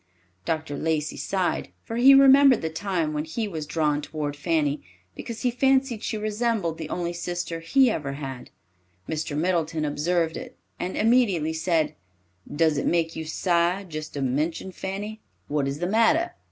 Dr. Lacey sighed, for he remembered the time when he was drawn toward Fanny, because he fancied she resembled the only sister he ever had. Mr. Middleton observed it, and immediately said, "Does it make you sigh just to mention Fanny? What is the matter?